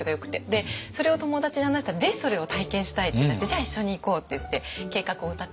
でそれを友達に話したらぜひそれを体験したいってなってじゃあ一緒に行こうって言って計画を立てて。